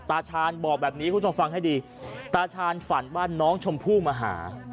ตาชานบ่อกแบบนี้คุณผู้ชมฟันว่าน้องชมพูมาหา